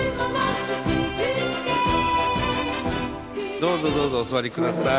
どうぞどうぞお座りください。